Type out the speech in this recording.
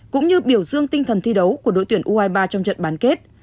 cũng như biểu dương tinh thần thi đấu của đội tuyển u hai mươi ba trong trận bán kết